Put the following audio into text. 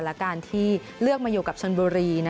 และการที่เลือกมาอยู่กับชนบุรี